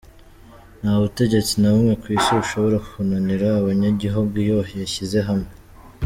Nta butegetsi na bumwe kw’isi bushobora kunanira abanyagihugu iyo bashyize hamwe.